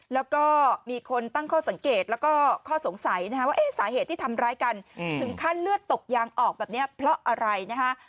แล้วก็มีคนตั้งข้อสังเกตแล้วก็ข้อสงสัยนะฮะว่าสาเหตุที่ทำร้ายกันถึงขั้นเลือดตกยางออกแบบนี้เพราะอะไรนะฮะ